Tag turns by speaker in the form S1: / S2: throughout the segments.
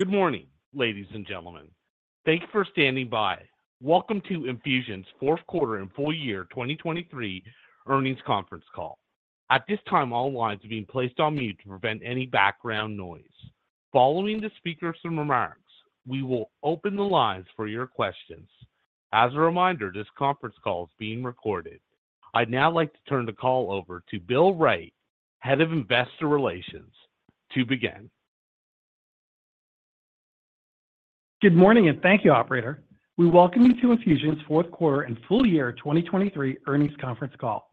S1: Good morning, ladies and gentlemen. Thank you for standing by. Welcome to Enfusion's fourth quarter and full-year 2023 earnings conference call. At this time all lines are being placed on mute to prevent any background noise. Following the speaker's remarks, we will open the lines for your questions. As a reminder, this conference call is being recorded. I'd now like to turn the call over to Bill Wright, Head of Investor Relations. To begin.
S2: Good morning and thank you, operator. We welcome you to Enfusion's fourth quarter and full-year 2023 earnings conference call.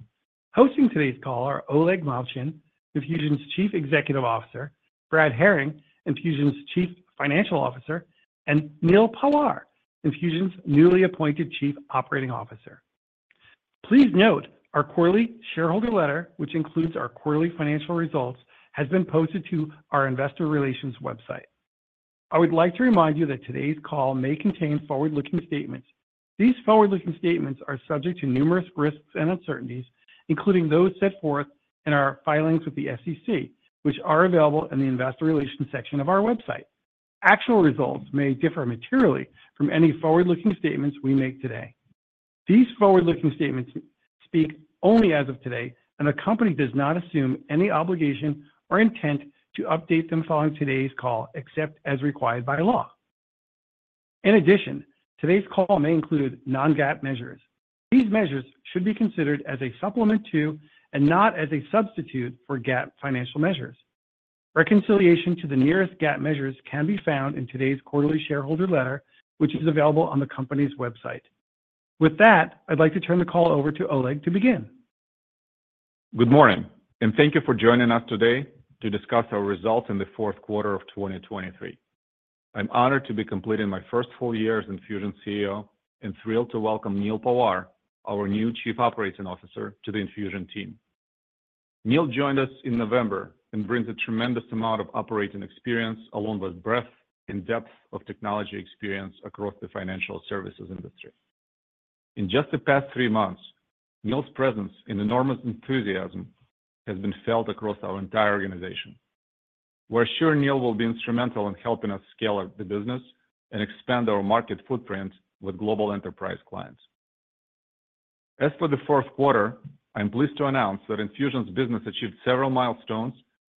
S2: Hosting today's call are Oleg Movchan, Enfusion's Chief Executive Officer; Brad Herring, Enfusion's Chief Financial Officer; and Neal Pawar, Enfusion's newly appointed Chief Operating Officer. Please note our quarterly shareholder letter, which includes our quarterly financial results, has been posted to our Investor Relations website. I would like to remind you that today's call may contain forward-looking statements. These forward-looking statements are subject to numerous risks and uncertainties, including those set forth in our filings with the SEC, which are available in the Investor Relations section of our website. Actual results may differ materially from any forward-looking statements we make today. These forward-looking statements speak only as of today, and the company does not assume any obligation or intent to update them following today's call except as required by law. In addition, today's call may include non-GAAP measures. These measures should be considered as a supplement to and not as a substitute for GAAP financial measures. Reconciliation to the nearest GAAP measures can be found in today's quarterly shareholder letter, which is available on the company's website. With that, I'd like to turn the call over to Oleg to begin.
S3: Good morning, and thank you for joining us today to discuss our results in the fourth quarter of 2023. I'm honored to be completing my first full-year as Enfusion CEO and thrilled to welcome Neal Pawar, our new Chief Operating Officer, to the Enfusion team. Neal joined us in November and brings a tremendous amount of operating experience along with breadth and depth of technology experience across the financial services industry. In just the past three months, Neal's presence and enormous enthusiasm have been felt across our entire organization. We're sure Neal will be instrumental in helping us scale up the business and expand our market footprint with global enterprise clients. As for the fourth quarter, I'm pleased to announce that Enfusion's business achieved several milestones,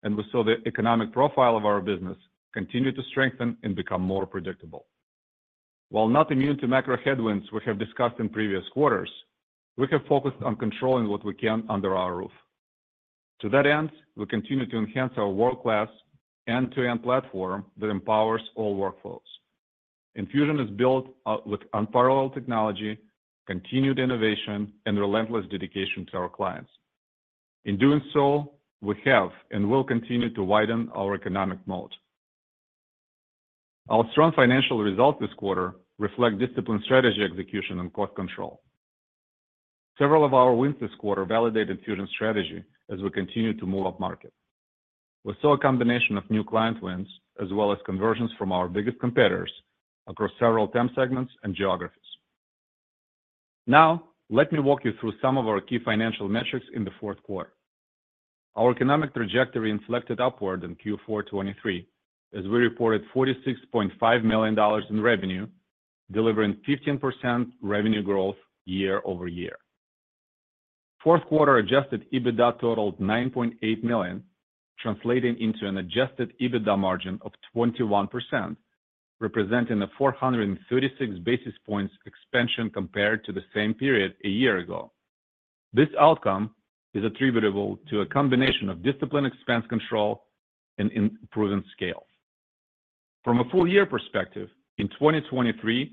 S3: and we saw the economic profile of our business continue to strengthen and become more predictable. While not immune to macro headwinds we have discussed in previous quarters, we have focused on controlling what we can under our roof. To that end, we continue to enhance our world-class end-to-end platform that empowers all workflows. Enfusion is built with unparalleled technology, continued innovation, and relentless dedication to our clients. In doing so, we have and will continue to widen our economic moat. Our strong financial results this quarter reflect disciplined strategy execution and cost control. Several of our wins this quarter validated Enfusion's strategy as we continue to move up market. We saw a combination of new client wins as well as conversions from our biggest competitors across several time segments and geographies. Now, let me walk you through some of our key financial metrics in the fourth quarter. Our economic trajectory inflected upward in Q4 2023 as we reported $46.5 million in revenue, delivering 15% revenue growth year-over-year. Fourth quarter Adjusted EBITDA totaled $9.8 million, translating into an Adjusted EBITDA margin of 21%, representing a 436 basis points expansion compared to the same period a year ago. This outcome is attributable to a combination of disciplined expense control and improving scale. From a full-year perspective, in 2023,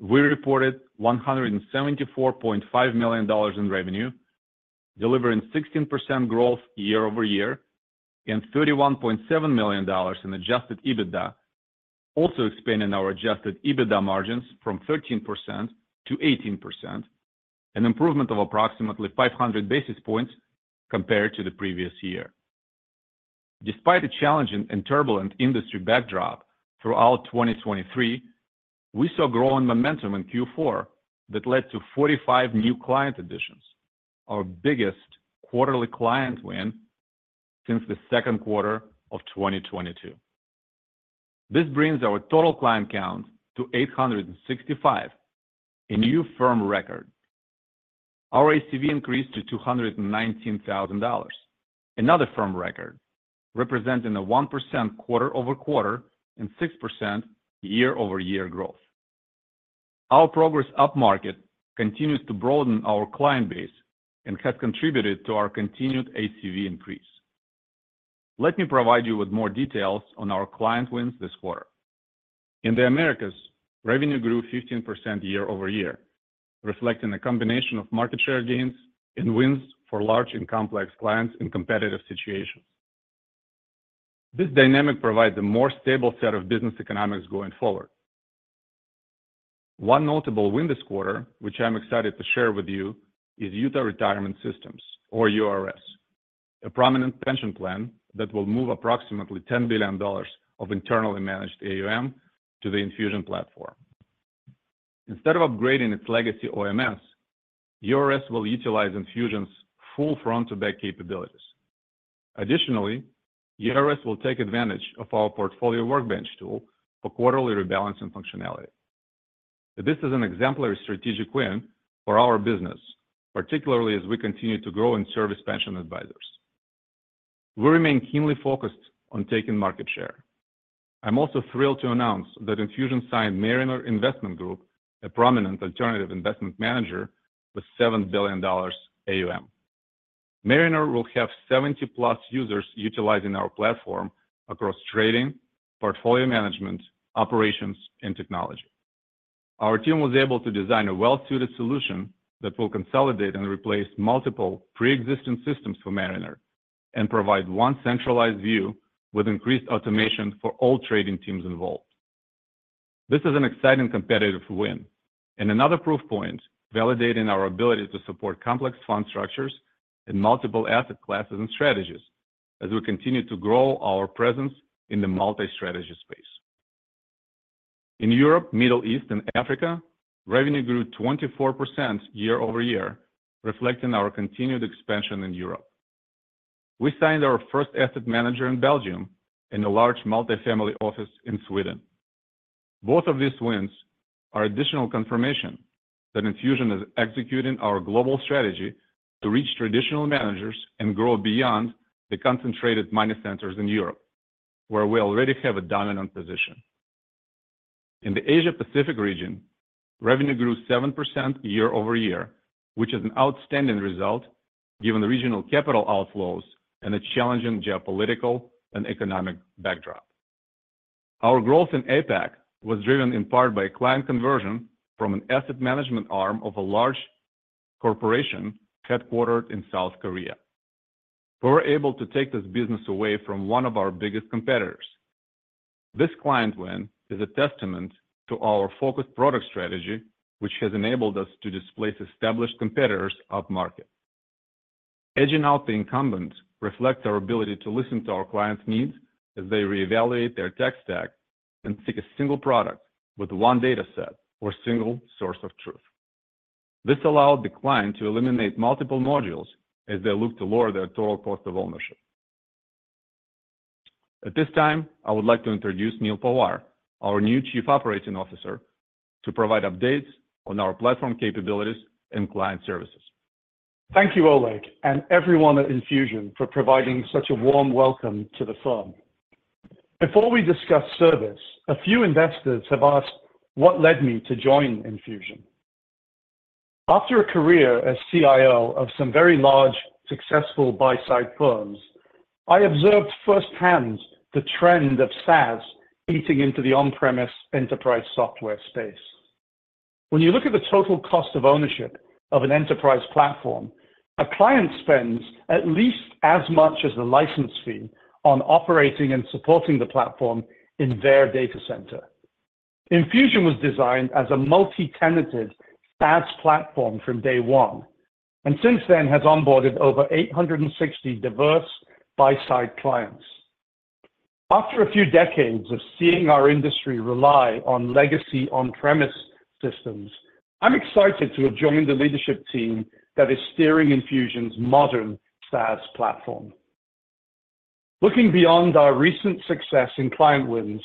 S3: we reported $174.5 million in revenue, delivering 16% growth year-over-year and $31.7 million in Adjusted EBITDA, also expanding our Adjusted EBITDA margins from 13% to 18%, an improvement of approximately 500 basis points compared to the previous year. Despite a challenging and turbulent industry backdrop throughout 2023, we saw growing momentum in Q4 that led to 45 new client additions, our biggest quarterly client win since the second quarter of 2022. This brings our total client count to 865, a new firm record. Our ACV increased to $219,000, another firm record, representing a 1% quarter-over-quarter and 6% year-over-year growth. Our progress up market continues to broaden our client base and has contributed to our continued ACV increase. Let me provide you with more details on our client wins this quarter. In the Americas, revenue grew 15% year-over-year, reflecting a combination of market share gains and wins for large and complex clients in competitive situations. This dynamic provides a more stable set of business economics going forward. One notable win this quarter, which I'm excited to share with you, is Utah Retirement Systems, or URS, a prominent pension plan that will move approximately $10 billion of internally managed AUM to the Enfusion platform. Instead of upgrading its legacy OMS, URS will utilize Enfusion's full front-to-back capabilities. Additionally, URS will take advantage of our Portfolio Workbench tool for quarterly rebalancing functionality. This is an exemplary strategic win for our business, particularly as we continue to grow in serving pension advisors. We remain keenly focused on taking market share. I'm also thrilled to announce that Enfusion signed Mariner Investment Group, a prominent alternative investment manager, with $7 billion AUM. Mariner will have 70-plus users utilizing our platform across trading, portfolio management, operations, and technology. Our team was able to design a well-suited solution that will consolidate and replace multiple pre-existing systems for Mariner and provide one centralized view with increased automation for all trading teams involved. This is an exciting competitive win and another proof point validating our ability to support complex fund structures and multiple asset classes and strategies as we continue to grow our presence in the multi-strategy space. In Europe, Middle East, and Africa, revenue grew 24% year-over-year, reflecting our continued expansion in Europe. We signed our first asset manager in Belgium and a large multifamily office in Sweden. Both of these wins are additional confirmation that Enfusion is executing our global strategy to reach traditional managers and grow beyond the concentrated money centers in Europe, where we already have a dominant position. In the Asia-Pacific region, revenue grew 7% year-over-year, which is an outstanding result given regional capital outflows and a challenging geopolitical and economic backdrop. Our growth in APAC was driven in part by client conversion from an asset management arm of a large corporation headquartered in South Korea. We were able to take this business away from one of our biggest competitors. This client win is a testament to our focused product strategy, which has enabled us to displace established competitors up market. Edging out the incumbents reflects our ability to listen to our clients' needs as they reevaluate their tech stack and pick a single product with one data set or single source of truth. This allowed the client to eliminate multiple modules as they looked to lower their total cost of ownership. At this time, I would like to introduce Neal Pawar, our new Chief Operating Officer, to provide updates on our platform capabilities and client services.
S4: Thank you, Oleg, and everyone at Enfusion for providing such a warm welcome to the firm. Before we discuss service, a few investors have asked what led me to join Enfusion. After a career as CIO of some very large, successful buy-side firms, I observed firsthand the trend of SaaS eating into the on-premise enterprise software space. When you look at the total cost of ownership of an enterprise platform, a client spends at least as much as the license fee on operating and supporting the platform in their data center. Enfusion was designed as a multi-tenant SaaS platform from day one and since then has onboarded over 860 diverse buy-side clients. After a few decades of seeing our industry rely on legacy on-premise systems, I'm excited to have joined the leadership team that is steering Enfusion's modern SaaS platform. Looking beyond our recent success in client wins,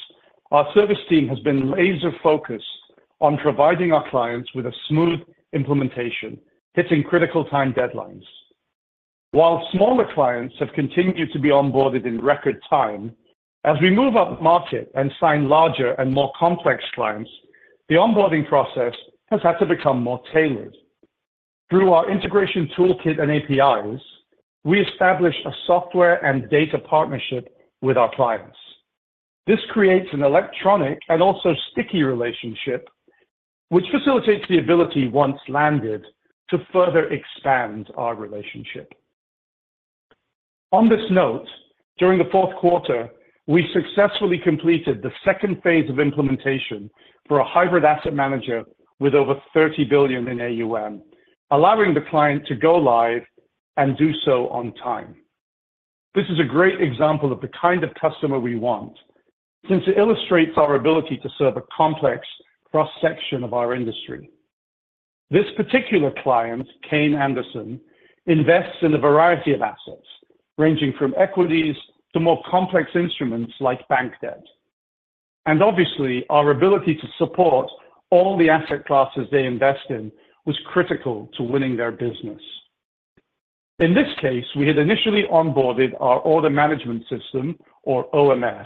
S4: our service team has been laser-focused on providing our clients with a smooth implementation, hitting critical-time deadlines. While smaller clients have continued to be onboarded in record time, as we move up market and sign larger and more complex clients, the onboarding process has had to become more tailored. Through our integration toolkit and APIs, we established a software and data partnership with our clients. This creates an electronic and also sticky relationship, which facilitates the ability, once landed, to further expand our relationship. On this note, during the fourth quarter, we successfully completed the second phase of implementation for a hybrid asset manager with over $30 billion in AUM, allowing the client to go live and do so on time. This is a great example of the kind of customer we want since it illustrates our ability to serve a complex cross-section of our industry. This particular client, Kayne Anderson, invests in a variety of assets, ranging from equities to more complex instruments like bank debt. And obviously, our ability to support all the asset classes they invest in was critical to winning their business. In this case, we had initially onboarded our order management system, or OMS,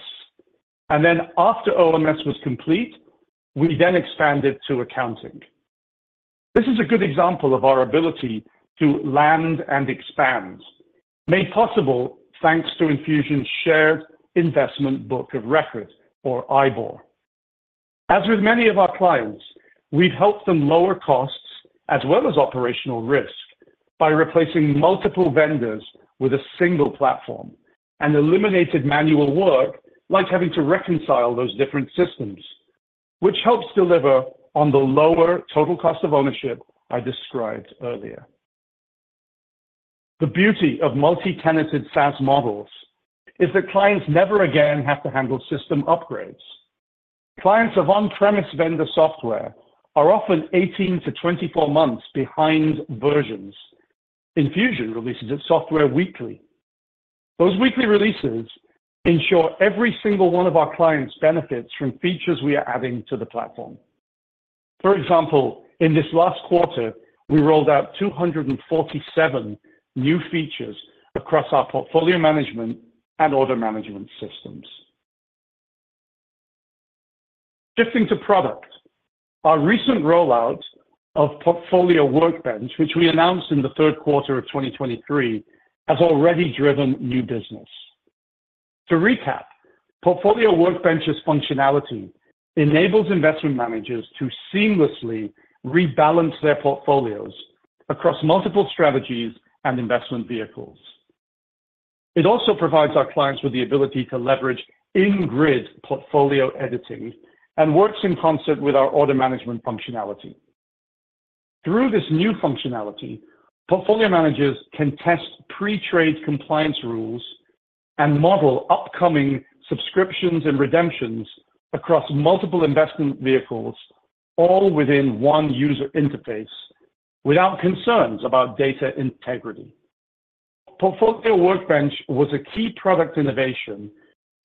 S4: and then after OMS was complete, we then expanded to accounting. This is a good example of our ability to land and expand, made possible thanks to Enfusion's shared investment book of record, or IBOR. As with many of our clients, we've helped them lower costs as well as operational risk by replacing multiple vendors with a single platform and eliminated manual work like having to reconcile those different systems, which helps deliver on the lower total cost of ownership I described earlier. The beauty of multi-tenant SaaS models is that clients never again have to handle system upgrades. Clients of on-premise vendor software are often 18-24 months behind versions. Enfusion releases its software weekly. Those weekly releases ensure every single one of our clients benefits from features we are adding to the platform. For example, in this last quarter, we rolled out 247 new features across our Portfolio Management and Order Management systems. Shifting to product, our recent rollout of Portfolio Workbench, which we announced in the third quarter of 2023, has already driven new business. To recap, Portfolio Workbench's functionality enables investment managers to seamlessly rebalance their portfolios across multiple strategies and investment vehicles. It also provides our clients with the ability to leverage in-grid portfolio editing and works in concert with our Order Management functionality. Through this new functionality, portfolio managers can test pre-trade compliance rules and model upcoming subscriptions and redemptions across multiple investment vehicles, all within one user interface, without concerns about data integrity. Portfolio Workbench was a key product innovation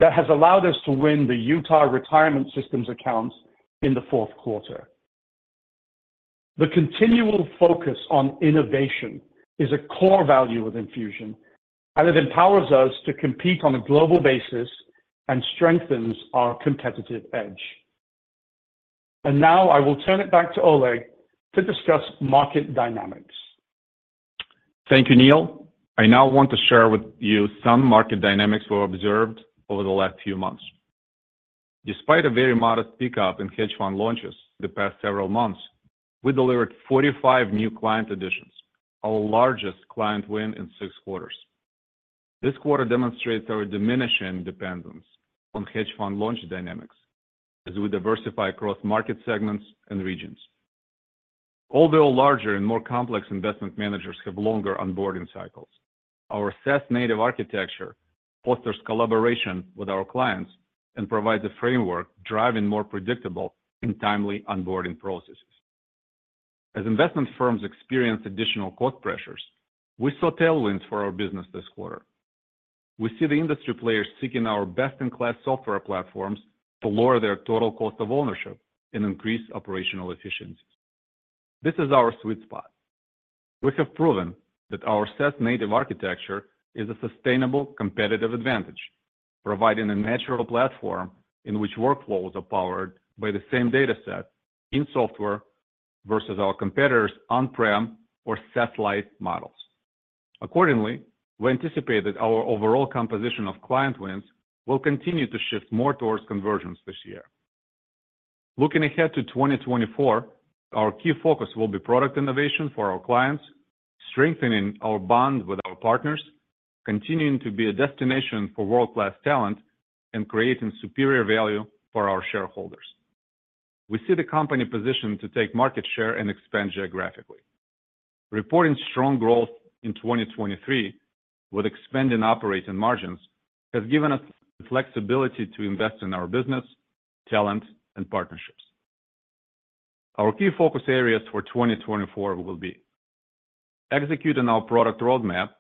S4: that has allowed us to win the Utah Retirement Systems account in the fourth quarter. The continual focus on innovation is a core value with Enfusion, and it empowers us to compete on a global basis and strengthens our competitive edge. And now I will turn it back to Oleg to discuss market dynamics.
S3: Thank you, Neal. I now want to share with you some market dynamics we observed over the last few months. Despite a very modest pickup in hedge fund launches the past several months, we delivered 45 new client additions, our largest client win in 6 quarters. This quarter demonstrates our diminishing dependence on hedge fund launch dynamics as we diversify across market segments and regions. Although larger and more complex investment managers have longer onboarding cycles, our SaaS-native architecture fosters collaboration with our clients and provides a framework driving more predictable and timely onboarding processes. As investment firms experience additional cost pressures, we saw tailwinds for our business this quarter. We see the industry players seeking our best-in-class software platforms to lower their total cost of ownership and increase operational efficiencies. This is our sweet spot. We have proven that our SaaS-native architecture is a sustainable competitive advantage, providing a natural platform in which workflows are powered by the same data set in software versus our competitors' on-prem or satellite models. Accordingly, we anticipated our overall composition of client wins will continue to shift more towards conversions this year. Looking ahead to 2024, our key focus will be product innovation for our clients, strengthening our bond with our partners, continuing to be a destination for world-class talent, and creating superior value for our shareholders. We see the company positioned to take market share and expand geographically. Reporting strong growth in 2023 with expanding operating margins has given us the flexibility to invest in our business, talent, and partnerships. Our key focus areas for 2024 will be executing our product roadmap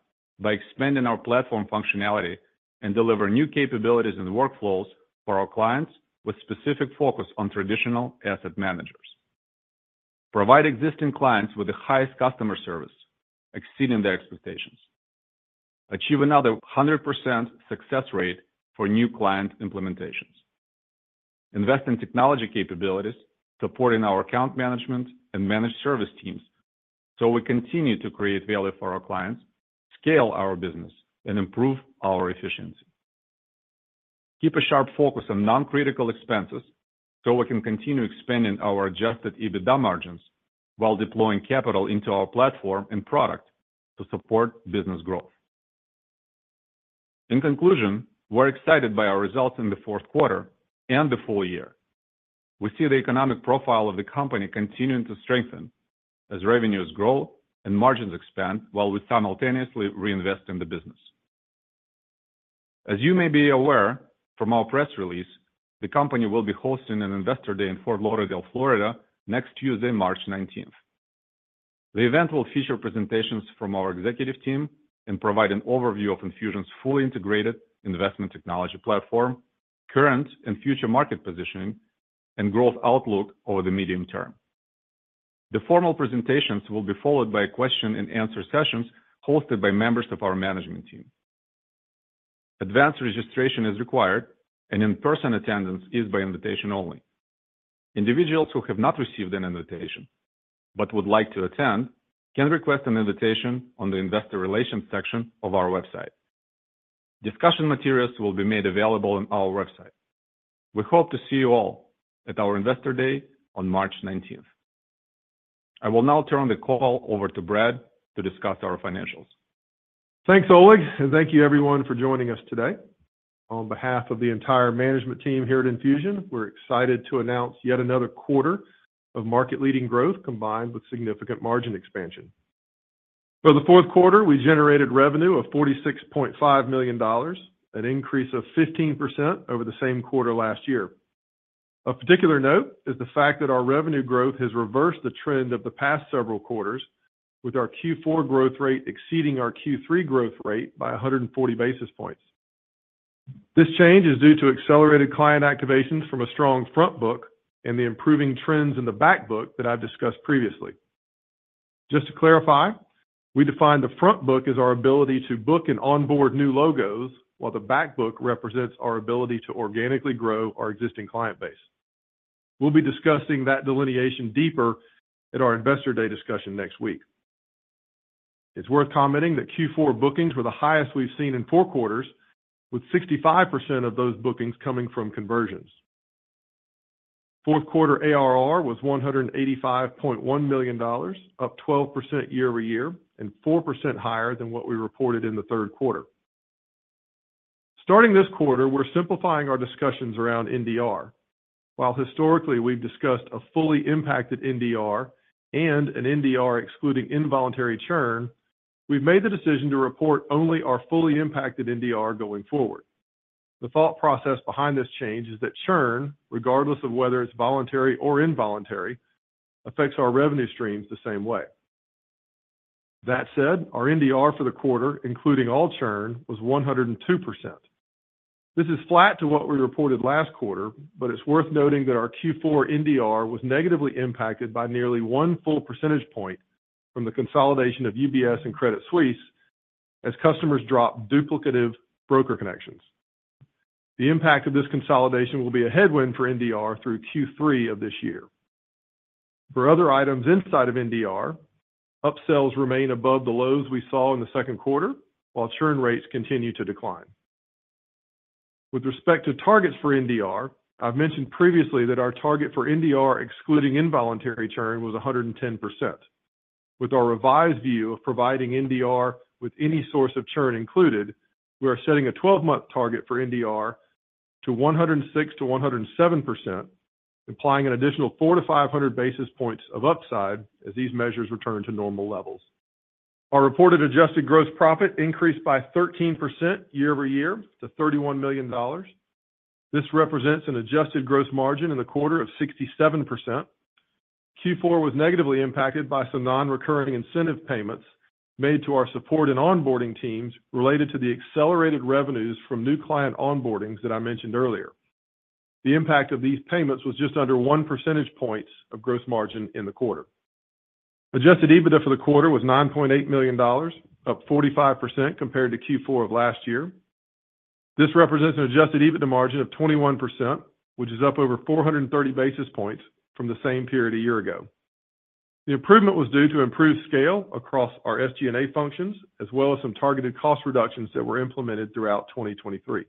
S3: by expanding our platform functionality and delivering new capabilities and workflows for our clients with specific focus on traditional asset managers. Provide existing clients with the highest customer service, exceeding their expectations. Achieve another 100% success rate for new client implementations. Invest in technology capabilities, supporting our account management and managed service teams so we continue to create value for our clients, scale our business, and improve our efficiency. Keep a sharp focus on non-critical expenses so we can continue expanding our Adjusted EBITDA margins while deploying capital into our platform and product to support business growth. In conclusion, we're excited by our results in the fourth quarter and the full-year. We see the economic profile of the company continuing to strengthen as revenues grow and margins expand while we simultaneously reinvest in the business. As you may be aware from our press release, the company will be hosting an Investor Day in Fort Lauderdale, Florida, next Tuesday, March 19th. The event will feature presentations from our executive team and provide an overview of Enfusion's fully integrated investment technology platform, current and future market positioning, and growth outlook over the medium term. The formal presentations will be followed by question-and-answer sessions hosted by members of our management team. Advanced registration is required, and in-person attendance is by invitation only. Individuals who have not received an invitation but would like to attend can request an invitation on the investor relations section of our website. Discussion materials will be made available on our website. We hope to see you all at our Investor Day on March 19th. I will now turn the call over to Brad to discuss our financials.
S5: Thanks, Oleg, and thank you, everyone, for joining us today. On behalf of the entire management team here at Enfusion, we're excited to announce yet another quarter of market-leading growth combined with significant margin expansion. For the fourth quarter, we generated revenue of $46.5 million, an increase of 15% over the same quarter last year. A particular note is the fact that our revenue growth has reversed the trend of the past several quarters, with our Q4 growth rate exceeding our Q3 growth rate by 140 basis points. This change is due to accelerated client activations from a strong front book and the improving trends in the back book that I've discussed previously. Just to clarify, we define the front book as our ability to book and onboard new logos, while the back book represents our ability to organically grow our existing client base. We'll be discussing that delineation deeper at our Investor Day discussion next week. It's worth commenting that Q4 bookings were the highest we've seen in four quarters, with 65% of those bookings coming from conversions. Fourth quarter ARR was $185.1 million, up 12% year-over-year and 4% higher than what we reported in the third quarter. Starting this quarter, we're simplifying our discussions around NDR. While historically we've discussed a fully impacted NDR and an NDR excluding involuntary churn, we've made the decision to report only our fully impacted NDR going forward. The thought process behind this change is that churn, regardless of whether it's voluntary or involuntary, affects our revenue streams the same way. That said, our NDR for the quarter, including all churn, was 102%. This is flat to what we reported last quarter, but it's worth noting that our Q4 NDR was negatively impacted by nearly one full percentage point from the consolidation of UBS and Credit Suisse as customers dropped duplicative broker connections. The impact of this consolidation will be a headwind for NDR through Q3 of this year. For other items inside of NDR, upsells remain above the lows we saw in the second quarter, while churn rates continue to decline. With respect to targets for NDR, I've mentioned previously that our target for NDR excluding involuntary churn was 110%. With our revised view of providing NDR with any source of churn included, we are setting a 12-month target for NDR to 106%-107%, implying an additional 4-500 basis points of upside as these measures return to normal levels. Our reported adjusted gross profit increased by 13% year-over-year to $31 million. This represents an adjusted gross margin in the quarter of 67%. Q4 was negatively impacted by some non-recurring incentive payments made to our support and onboarding teams related to the accelerated revenues from new client onboardings that I mentioned earlier. The impact of these payments was just under one percentage point of gross margin in the quarter. Adjusted EBITDA for the quarter was $9.8 million, up 45% compared to Q4 of last year. This represents an adjusted EBITDA margin of 21%, which is up over 430 basis points from the same period a year ago. The improvement was due to improved scale across our SG&A functions as well as some targeted cost reductions that were implemented throughout 2023.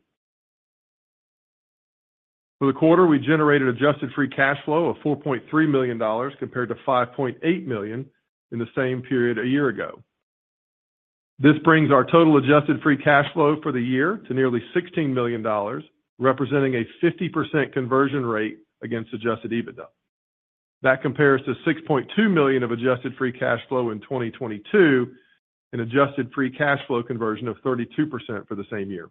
S5: For the quarter, we generated adjusted free cash flow of $4.3 million compared to $5.8 million in the same period a year ago. This brings our total adjusted free cash flow for the year to nearly $16 million, representing a 50% conversion rate against Adjusted EBITDA. That compares to $6.2 million of adjusted free cash flow in 2022, an adjusted free cash flow conversion of 32% for the same year.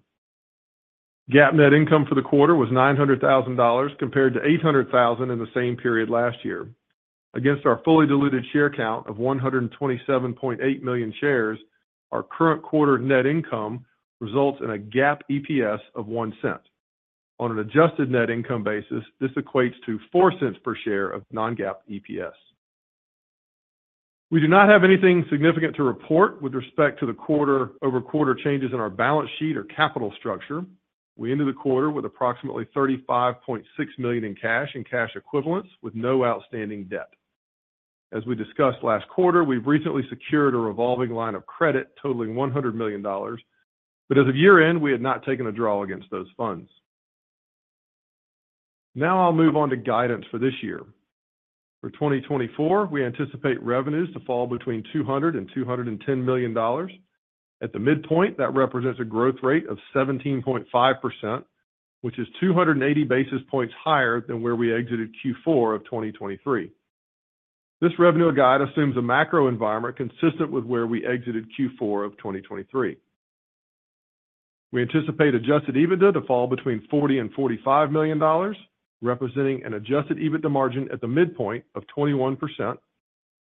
S5: GAAP net income for the quarter was $900,000 compared to $800,000 in the same period last year. Against our fully diluted share count of 127.8 million shares, our current quarter net income results in a GAAP EPS of $0.01. On an adjusted net income basis, this equates to $0.04 per share of non-GAAP EPS. We do not have anything significant to report with respect to the quarter-over-quarter changes in our balance sheet or capital structure. We ended the quarter with approximately $35.6 million in cash and cash equivalents, with no outstanding debt. As we discussed last quarter, we've recently secured a revolving line of credit totaling $100 million, but as of year-end, we had not taken a draw against those funds. Now I'll move on to guidance for this year. For 2024, we anticipate revenues to fall between $200-$210 million. At the midpoint, that represents a growth rate of 17.5%, which is 280 basis points higher than where we exited Q4 of 2023. This revenue guide assumes a macro environment consistent with where we exited Q4 of 2023. We anticipate adjusted EBITDA to fall between $40million-$45 million, representing an adjusted EBITDA margin at the midpoint of 21%,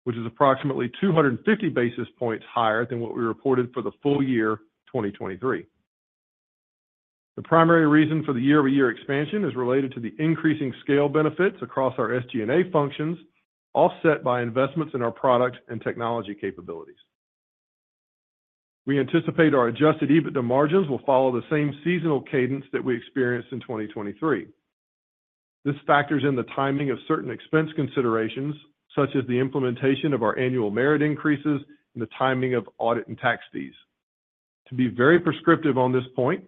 S5: which is approximately 250 basis points higher than what we reported for the full-year 2023. The primary reason for the year-over-year expansion is related to the increasing scale benefits across our SG&A functions, offset by investments in our product and technology capabilities. We anticipate our Adjusted EBITDA margins will follow the same seasonal cadence that we experienced in 2023. This factors in the timing of certain expense considerations, such as the implementation of our annual merit increases and the timing of audit and tax fees. To be very prescriptive on this point,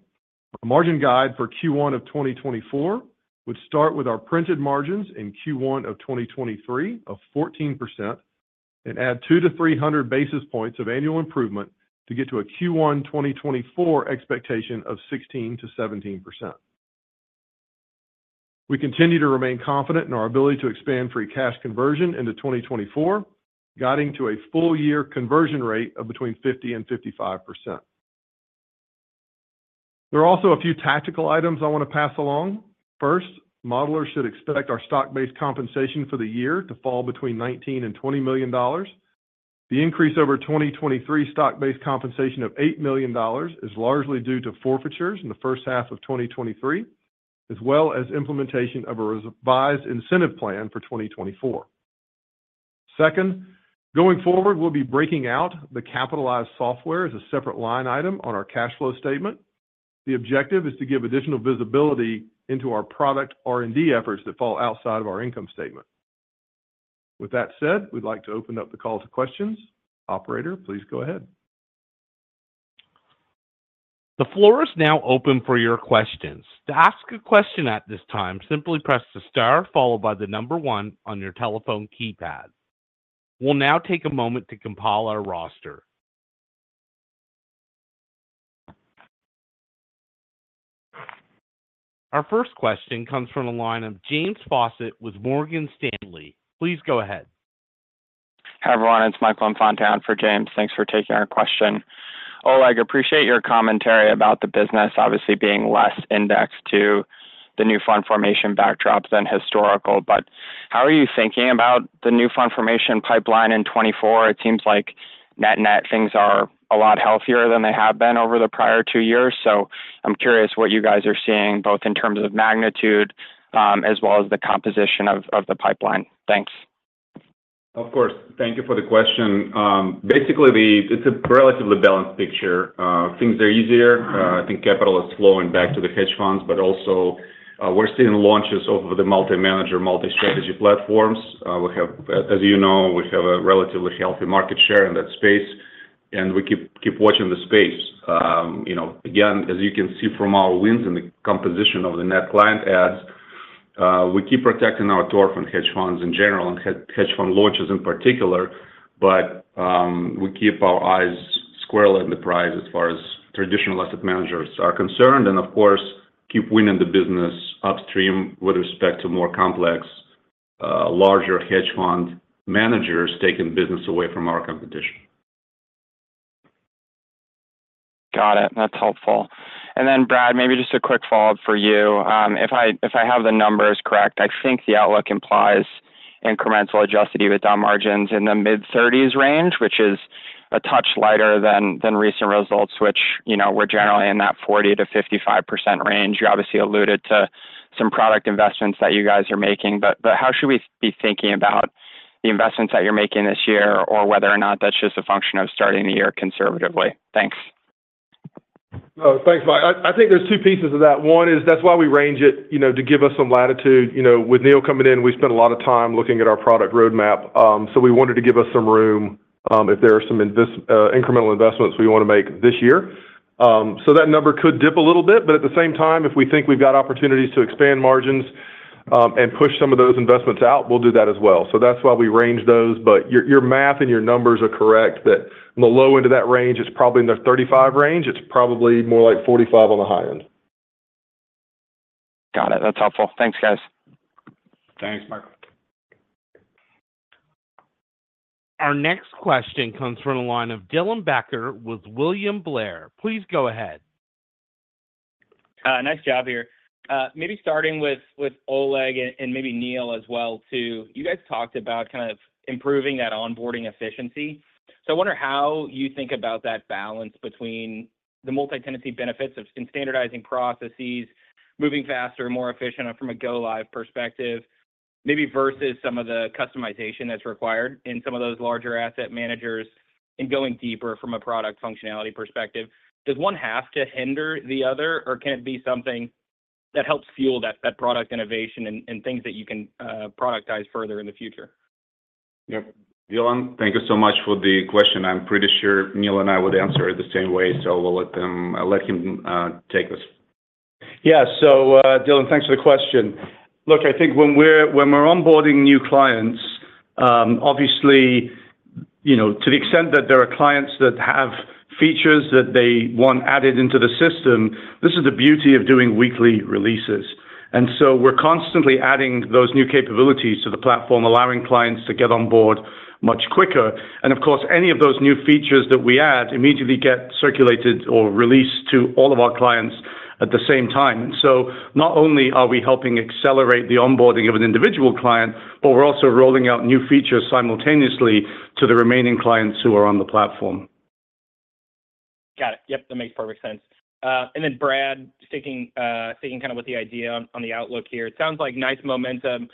S5: our margin guide for Q1 of 2024 would start with our printed margins in Q1 of 2023 of 14% and add 2-300 basis points of annual improvement to get to a Q1 2024 expectation of 16%-17%. We continue to remain confident in our ability to expand free cash conversion into 2024, guiding to a full-year conversion rate of between 50 and 55%. There are also a few tactical items I want to pass along. First, modelers should expect our stock-based compensation for the year to fall between $19million-$20 million. The increase over 2023 stock-based compensation of $8 million is largely due to forfeitures in the first half of 2023, as well as implementation of a revised incentive plan for 2024. Second, going forward, we'll be breaking out the capitalized software as a separate line item on our cash flow statement. The objective is to give additional visibility into our product R&D efforts that fall outside of our income statement. With that said, we'd like to open up the call to questions. Operator, please go ahead.
S1: The floor is now open for your questions. To ask a question at this time, simply press the star followed by one on your telephone keypad. We'll now take a moment to compile our roster. Our first question comes from a line of James Faucette with Morgan Stanley. Please go ahead.
S6: Hi everyone, it's Michael Infante for James Faucette. Thanks for taking our question. Oleg, appreciate your commentary about the business obviously being less indexed to the new fund formation backdrop than historical, but how are you thinking about the new fund formation pipeline in 2024? It seems like net-net things are a lot healthier than they have been over the prior two years, so I'm curious what you guys are seeing both in terms of magnitude as well as the composition of the pipeline. Thanks.
S3: Of course. Thank you for the question. Basically, it's a relatively balanced picture. Things are easier. I think capital is flowing back to the hedge funds, but also we're seeing launches of the multi-manager, multi-strategy platforms. As you know, we have a relatively healthy market share in that space, and we keep watching the space. Again, as you can see from our wins in the composition of the net client adds, we keep protecting our turf and hedge funds in general and hedge fund launches in particular, but we keep our eyes squarely on the prize as far as traditional asset managers are concerned and, of course, keep winning the business upstream with respect to more complex, larger hedge fund managers taking business away from our competition.
S6: Got it. That's helpful. And then, Brad, maybe just a quick follow-up for you. If I have the numbers correct, I think the outlook implies incremental adjusted EBITDA margins in the mid-30s range, which is a touch lighter than recent results, which we're generally in that 40%-55% range. You obviously alluded to some product investments that you guys are making, but how should we be thinking about the investments that you're making this year or whether or not that's just a function of starting the year conservatively? Thanks.
S5: No, thanks, Mike. I think there's two pieces of that. One is that's why we range it to give us some latitude. With Neal coming in, we spent a lot of time looking at our product roadmap, so we wanted to give us some room if there are some incremental investments we want to make this year. So that number could dip a little bit, but at the same time, if we think we've got opportunities to expand margins and push some of those investments out, we'll do that as well. So that's why we range those, but your math and your numbers are correct that on the low end of that range, it's probably in the 35 range. It's probably more like 45 on the high end.
S6: Got it. That's helpful. Thanks, guys.
S3: Thanks, Michael.
S1: Our next question comes from a line of Dylan Becker with William Blair. Please go ahead.
S7: Nice job here. Maybe starting with Oleg and maybe Neal as well too, you guys talked about kind of improving that onboarding efficiency. So I wonder how you think about that balance between the multi-tenant benefits in standardizing processes, moving faster, more efficient from a go-live perspective, maybe versus some of the customization that's required in some of those larger asset managers and going deeper from a product functionality perspective. Does one have to hinder the other, or can it be something that helps fuel that product innovation and things that you can productize further in the future?
S3: Yep. Dylan, thank you so much for the question. I'm pretty sure Neal and I would answer it the same way, so we'll let him take this.
S4: Yeah. So, Dylan, thanks for the question. Look, I think when we're onboarding new clients, obviously, to the extent that there are clients that have features that they want added into the system, this is the beauty of doing weekly releases. And so we're constantly adding those new capabilities to the platform, allowing clients to get onboard much quicker. And, of course, any of those new features that we add immediately get circulated or released to all of our clients at the same time. And so not only are we helping accelerate the onboarding of an individual client, but we're also rolling out new features simultaneously to the remaining clients who are on the platform.
S7: Got it. Yep, that makes perfect sense. And then, Brad, sticking kind of with the idea on the outlook here, it sounds like nice momentum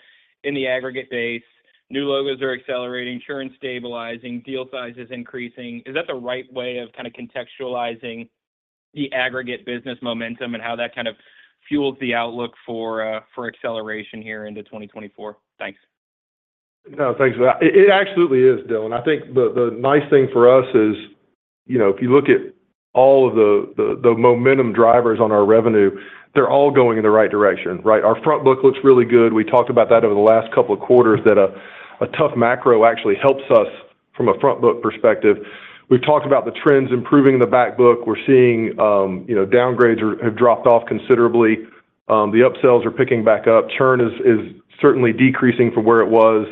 S7: in the aggregate base. New logos are accelerating, churn stabilizing, deal size is increasing. Is that the right way of kind of contextualizing the aggregate business momentum and how that kind of fuels the outlook for acceleration here into 2024? Thanks.
S5: No, thanks for that. It absolutely is, Dylan. I think the nice thing for us is if you look at all of the momentum drivers on our revenue, they're all going in the right direction, right? Our front book looks really good. We talked about that over the last couple of quarters, that a tough macro actually helps us from a front book perspective. We've talked about the trends improving in the backbook. We're seeing downgrades have dropped off considerably. The upsells are picking back up. Churn is certainly decreasing from where it was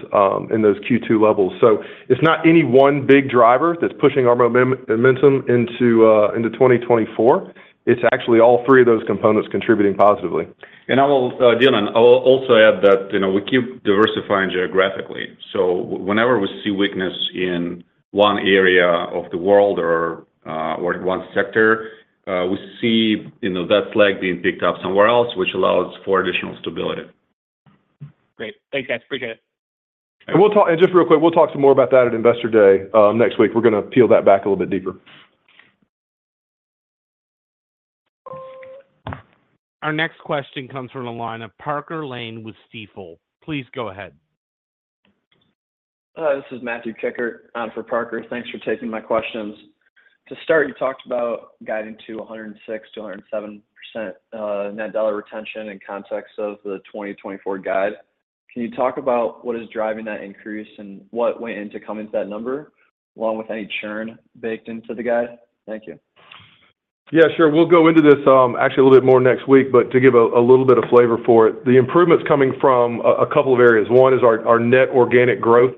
S5: in those Q2 levels. So it's not any one big driver that's pushing our momentum into 2024. It's actually all three of those components contributing positively.
S3: Dylan, I will also add that we keep diversifying geographically. Whenever we see weakness in one area of the world or one sector, we see that slack being picked up somewhere else, which allows for additional stability.
S7: Great. Thanks, guys. Appreciate it.
S5: Just real quick, we'll talk some more about that at Investor Day next week. We're going to peel that back a little bit deeper.
S2: Our next question comes from a line of Parker Lane with Stifel. Please go ahead.
S8: This is Matthew Kikkert for Parker. Thanks for taking my questions. To start, you talked about guiding to 106%-107% net dollar retention in context of the 2024 guide. Can you talk about what is driving that increase and what went into coming to that number, along with any churn baked into the guide? Thank you.
S5: Yeah, sure. We'll go into this actually a little bit more next week, but to give a little bit of flavor for it, the improvement's coming from a couple of areas. One is our net organic growth.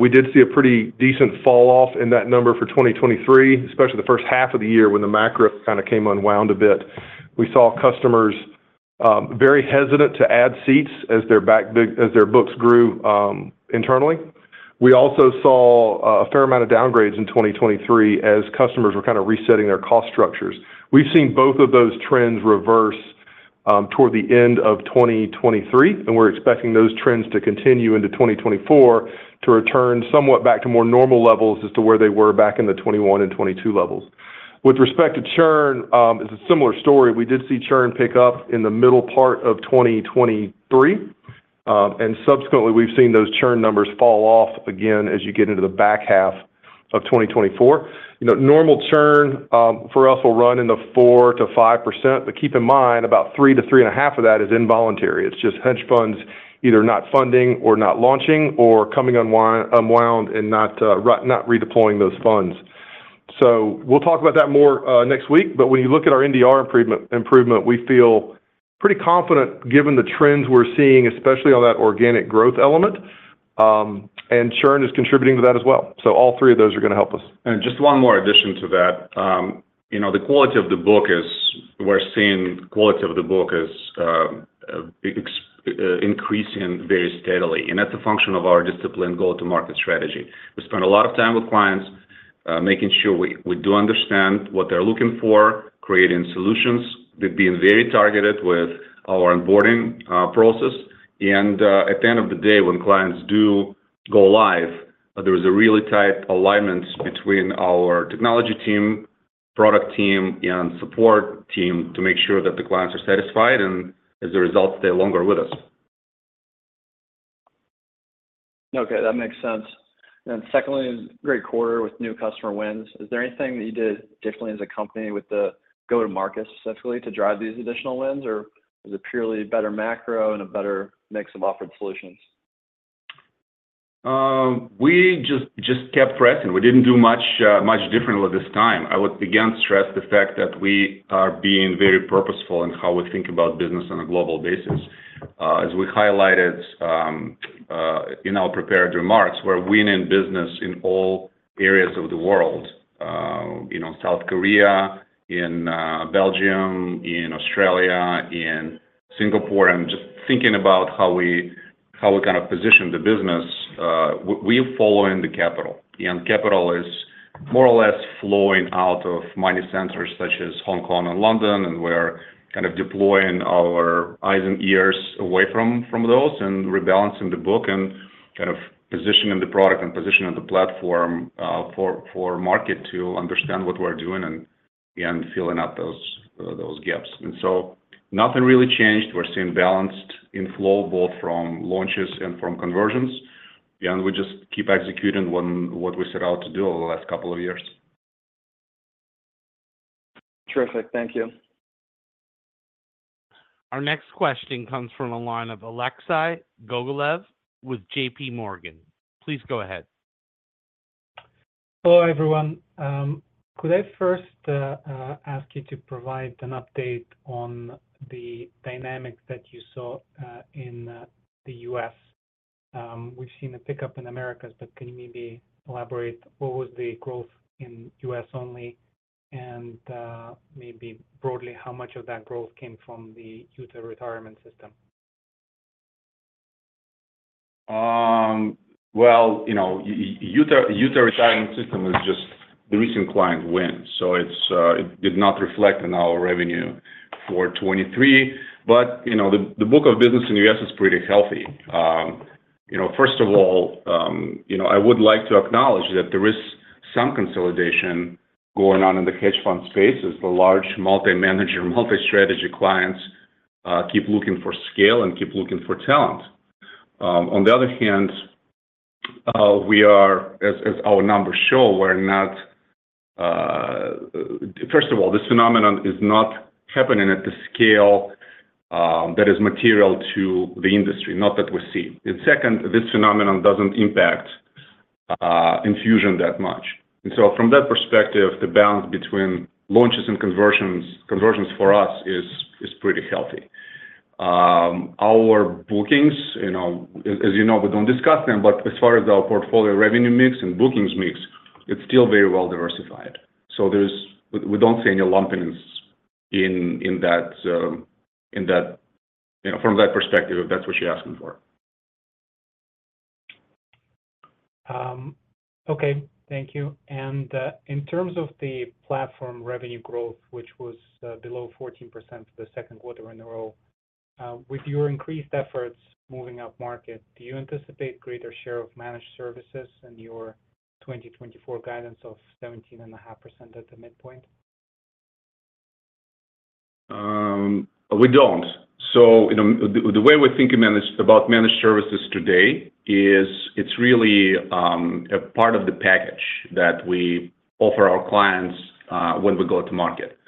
S5: We did see a pretty decent falloff in that number for 2023, especially the first half of the year when the macro kind of came unwound a bit. We saw customers very hesitant to add seats as their books grew internally. We also saw a fair amount of downgrades in 2023 as customers were kind of resetting their cost structures. We've seen both of those trends reverse toward the end of 2023, and we're expecting those trends to continue into 2024 to return somewhat back to more normal levels as to where they were back in the 2021 and 2022 levels. With respect to churn, it's a similar story. We did see churn pick up in the middle part of 2023, and subsequently, we've seen those churn numbers fall off again as you get into the back half of 2024. Normal churn for us will run in the 4%-5%, but keep in mind about 3-3.5 of that is involuntary. It's just hedge funds either not funding or not launching or coming unwound and not redeploying those funds. So we'll talk about that more next week, but when you look at our NDR improvement, we feel pretty confident given the trends we're seeing, especially on that organic growth element, and churn is contributing to that as well. So all three of those are going to help us.
S3: And just one more addition to that. We're seeing the quality of the book is increasing very steadily, and that's a function of our disciplined go-to-market strategy. We spend a lot of time with clients making sure we do understand what they're looking for, creating solutions, being very targeted with our onboarding process. And at the end of the day, when clients do go live, there is a really tight alignment between our technology team, product team, and support team to make sure that the clients are satisfied and, as a result, stay longer with us.
S8: Okay. That makes sense. And secondly, great quarter with new customer wins. Is there anything that you did differently as a company with the go-to-market specifically to drive these additional wins, or is it purely better macro and a better mix of offered solutions?
S3: We just kept pressing. We didn't do much differently this time. I would again stress the fact that we are being very purposeful in how we think about business on a global basis. As we highlighted in our prepared remarks, we're winning business in all areas of the world: South Korea, in Belgium, in Australia, in Singapore. And just thinking about how we kind of position the business, we are following the capital, and capital is more or less flowing out of money centers such as Hong Kong and London, and we're kind of deploying our eyes and ears away from those and rebalancing the book and kind of positioning the product and positioning the platform for market to understand what we're doing and filling up those gaps. And so nothing really changed. We're seeing balanced inflow both from launches and from conversions, and we just keep executing what we set out to do over the last couple of years.
S8: Terrific. Thank you.
S1: Our next question comes from a line of Alexei Gogolev with J.P. Morgan. Please go ahead.
S9: Hello, everyone. Could I first ask you to provide an update on the dynamics that you saw in the U.S.? We've seen a pickup in America, but can you maybe elaborate what was the growth in U.S. only, and maybe broadly, how much of that growth came from the Utah Retirement Systems?
S3: Well, the Utah Retirement Systems is just the recent client win, so it did not reflect in our revenue for 2023. But the book of business in the U.S. is pretty healthy. First of all, I would like to acknowledge that there is some consolidation going on in the hedge fund space as the large multi-manager, multi-strategy clients keep looking for scale and keep looking for talent. On the other hand, as our numbers show, we're not first of all, this phenomenon is not happening at the scale that is material to the industry, not that we see. And second, this phenomenon doesn't impact Enfusion that much. And so from that perspective, the balance between launches and conversions for us is pretty healthy. Our bookings, as you know, we don't discuss them, but as far as our portfolio revenue mix and bookings mix, it's still very well diversified. We don't see any lumpiness from that perspective if that's what you're asking for.
S9: Okay. Thank you. And in terms of the platform revenue growth, which was below 14% for the second quarter in a row, with your increased efforts moving up market, do you anticipate greater share of managed services in your 2024 guidance of 17.5% at the midpoint?
S3: We don't. So the way we're thinking about managed services today is it's really a part of the package that we offer our clients when we go to market.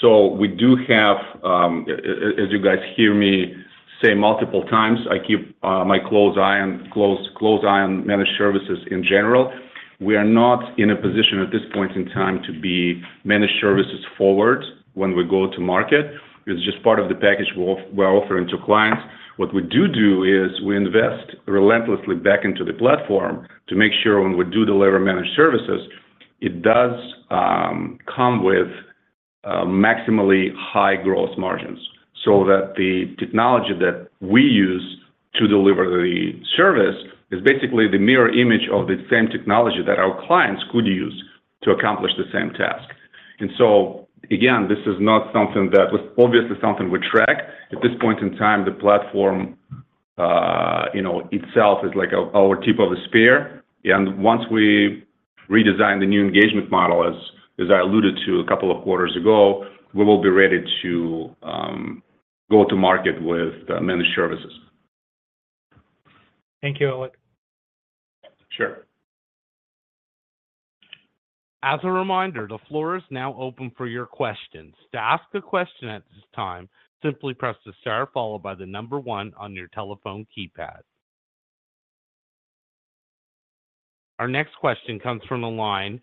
S3: So we do have as you guys hear me say multiple times, I keep my close eye on managed services in general. We are not in a position at this point in time to be managed services forward when we go to market. It's just part of the package we're offering to clients. What we do do is we invest relentlessly back into the platform to make sure when we do deliver managed services, it does come with maximally high growth margins so that the technology that we use to deliver the service is basically the mirror image of the same technology that our clients could use to accomplish the same task. And so again, this is not something that was obviously something we track. At this point in time, the platform itself is our tip of the spear. And once we redesign the new engagement model, as I alluded to a couple of quarters ago, we will be ready to go to market with managed services.
S9: Thank you, Oleg.
S3: Sure.
S1: As a reminder, the floor is now open for your questions. To ask a question at this time, simply press star followed by the number one on your telephone keypad. Our next question comes from a line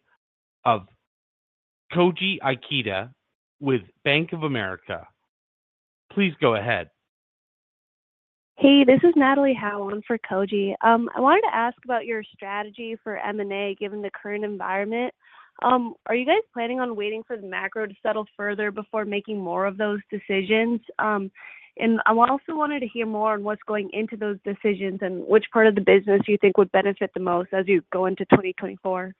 S1: of Koji Ikeda with Bank of America. Please go ahead.
S10: Hey, this is Natalie Howland for Koji. I wanted to ask about your strategy for M&A given the current environment. Are you guys planning on waiting for the macro to settle further before making more of those decisions? And I also wanted to hear more on what's going into those decisions and which part of the business you think would benefit the most as you go into 2024.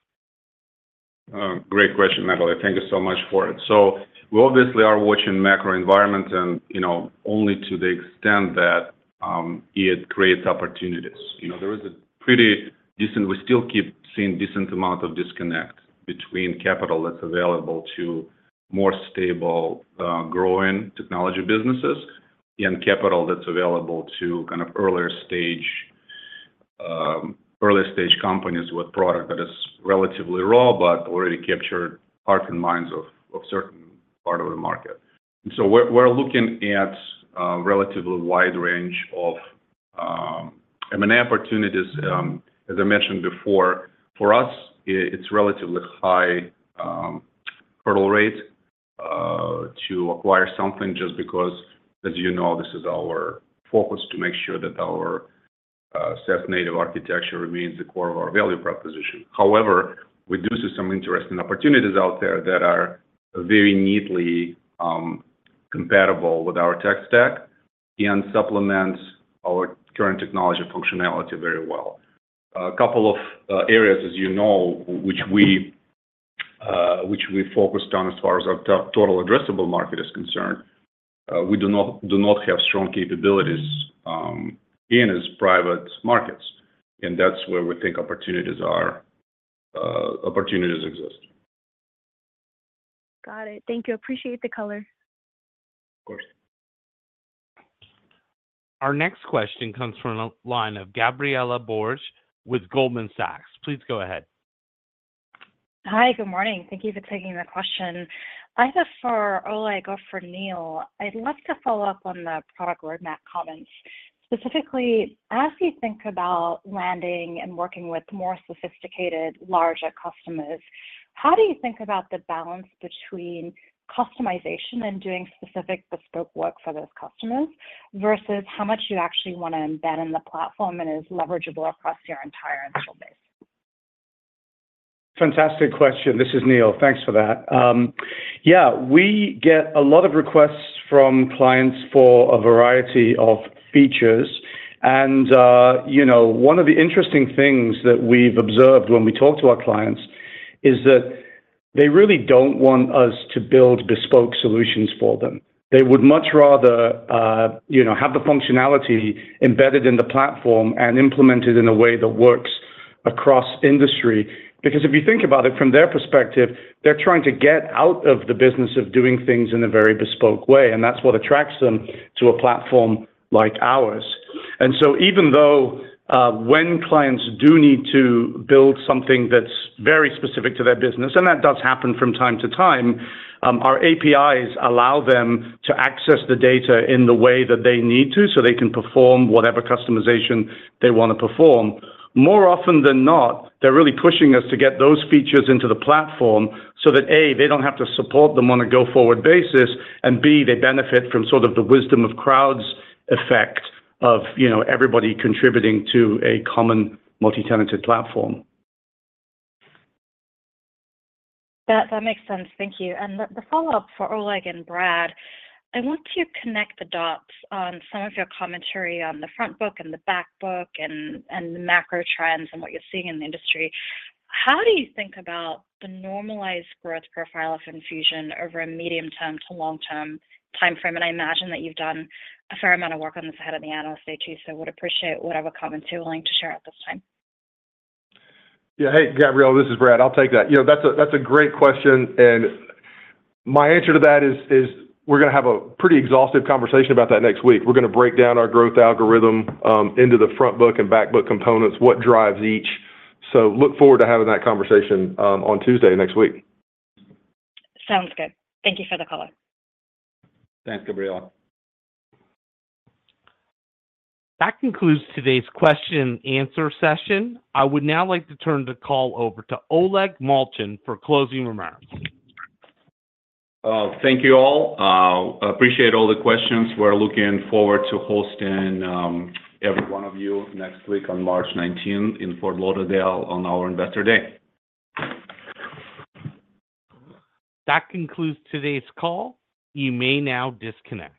S3: Great question, Natalie. Thank you so much for it. So we obviously are watching macro environment, and only to the extent that it creates opportunities. There is a pretty decent, we still keep seeing, decent amount of disconnect between capital that's available to more stable, growing technology businesses and capital that's available to kind of early-stage companies with product that is relatively raw but already captured hearts and minds of certain part of the market. And so we're looking at a relatively wide range of M&A opportunities. As I mentioned before, for us, it's relatively high hurdle rate to acquire something just because, as you know, this is our focus to make sure that our SaaS native architecture remains the core of our value proposition. However, we do see some interesting opportunities out there that are very neatly compatible with our tech stack and supplement our current technology functionality very well. A couple of areas, as you know, which we focused on as far as our total addressable market is concerned, we do not have strong capabilities in as private markets, and that's where we think opportunities exist.
S10: Got it. Thank you. Appreciate the color.
S3: Of course.
S2: Our next question comes from a line of Gabriela Borges with Goldman Sachs. Please go ahead.
S11: Hi. Good morning. Thank you for taking the question. Either for Oleg or for Neal, I'd love to follow up on the product roadmap comments. Specifically, as you think about landing and working with more sophisticated, larger customers, how do you think about the balance between customization and doing specific bespoke work for those customers versus how much you actually want to embed in the platform and is leverageable across your entire instrument base?
S4: Fantastic question. This is Neal. Thanks for that. Yeah, we get a lot of requests from clients for a variety of features. And one of the interesting things that we've observed when we talk to our clients is that they really don't want us to build bespoke solutions for them. They would much rather have the functionality embedded in the platform and implemented in a way that works across industry because if you think about it, from their perspective, they're trying to get out of the business of doing things in a very bespoke way, and that's what attracts them to a platform like ours. Even though when clients do need to build something that's very specific to their business, and that does happen from time to time, our APIs allow them to access the data in the way that they need to so they can perform whatever customization they want to perform, more often than not, they're really pushing us to get those features into the platform so that, A, they don't have to support them on a go-forward basis, and, B, they benefit from sort of the wisdom of crowds effect of everybody contributing to a common multi-tenanted platform.
S11: That makes sense. Thank you. The follow-up for Oleg and Brad, I want to connect the dots on some of your commentary on the front book and the back book and the macro trends and what you're seeing in the industry. How do you think about the normalized growth profile of Enfusion over a medium-term to long-term timeframe? And I imagine that you've done a fair amount of work on this ahead of the analyst day, too, so would appreciate whatever comments you're willing to share at this time.
S5: Yeah. Hey, Gabriela. This is Brad. I'll take that. That's a great question. And my answer to that is we're going to have a pretty exhaustive conversation about that next week. We're going to break down our growth algorithm into the front book and back book components, what drives each. Look forward to having that conversation on Tuesday next week.
S11: Sounds good. Thank you for the call.
S3: Thanks, Gabrielle.
S1: That concludes today's question-and-answer session. I would now like to turn the call over to Oleg Movchan for closing remarks.
S3: Thank you all. Appreciate all the questions. We're looking forward to hosting every one of you next week on March 19th in Fort Lauderdale on our Investor Day.
S2: That concludes today's call. You may now disconnect.